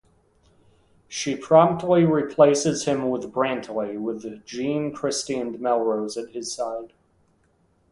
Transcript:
She promptly replaces him with Brantley, with Jean, Christy and Melrose at his side.